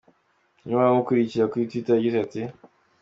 Umwe mu bamukurikira kuri Twitter yagize ati:.